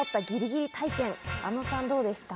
あのさんどうですか？